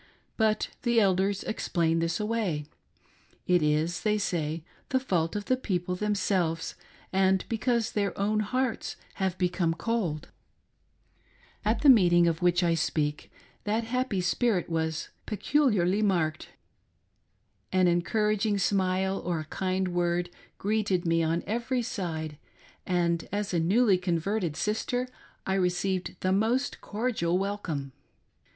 But the elders explain this away. It is, they say, the fault of the people themselves, and because' their own hearts have become cold. At the meeting of which I speak, that happy spirit was 58 SAINTS AT work: — A TESTIMONY MEETING. peculiarly marked. An encouraging smile, or a kind word, greeted me on every side, and, as a newly converted sister, I received the most cordial welcome.